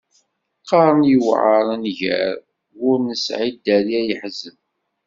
Qqaren yewεer nnger, w’ur nesεi dderya yeḥzen.